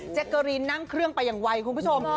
เกอรีนนั่งเครื่องไปอย่างไวคุณผู้ชม